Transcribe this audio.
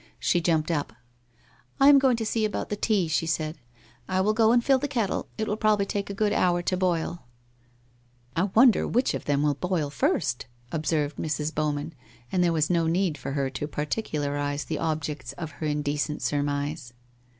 She jumped up. ' I am going to see about the tea/ she said. ' I will go and fill the kettle — it will probably take a good hour to boil/ ' I wonder which of them will boil first? ' observed Mrs. Bowman, and there was no need for her to particularize the objects of her indecent surmise.